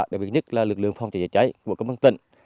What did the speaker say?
đặc biệt nhất là lực lượng phòng cháy chữa cháy của công an tỉnh